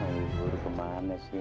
aduh buruk kemana sih